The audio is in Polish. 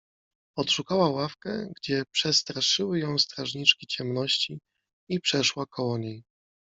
Odszukała ławkę, gdzie przestra szyły ją strażniczki ciemności, i przeszła koło niej.